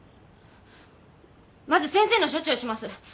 まず先生の処置をします。